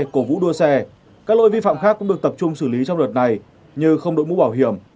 cổ vũ đua xe các lỗi vi phạm khác cũng được tập trung xử lý trong đợt này như không đội mũ bảo hiểm